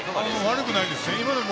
悪くないですね。